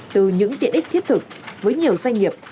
từ những tiện ích thiết thực với nhiều doanh nghiệp